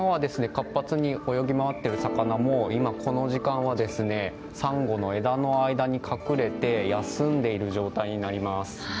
活発に泳ぎ回ってる魚も今この時間はですねサンゴの枝の間に隠れて休んでいる状態になります。